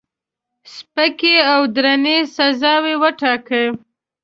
سپکې او درنې سزاوي وټاکي.